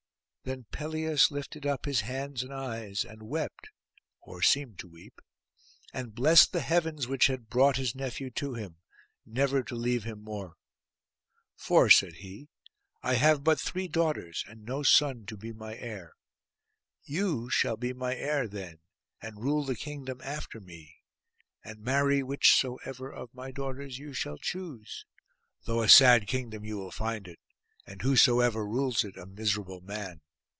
Then Pelias lifted up his hands and eyes, and wept, or seemed to weep; and blessed the heavens which had brought his nephew to him, never to leave him more. 'For,' said he, 'I have but three daughters, and no son to be my heir. You shall be my heir then, and rule the kingdom after me, and marry whichsoever of my daughters you shall choose; though a sad kingdom you will find it, and whosoever rules it a miserable man.